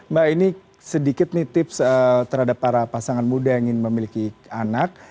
mbak ini sedikit nih tips terhadap para pasangan muda yang ingin memiliki anak